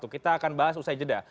kita akan bahas usai jeda